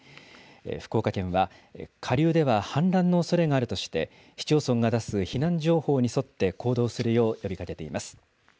福岡県は、下流では氾濫のおそれがあるとして、市町村が出す避難情報に沿って行動するよう呼びかけています。